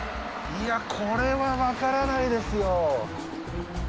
いやこれはわからないですよ。